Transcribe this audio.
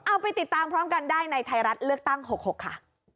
เอาไปติดตามพร้อมกันได้ในไทยรัฐเลือกตั้ง๖๖ค่ะ